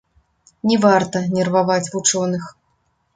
Не варта нерваваць вучоных.